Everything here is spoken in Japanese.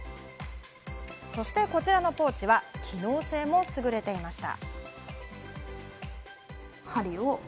そしてこちらのポーチは、機能性もすぐれていました。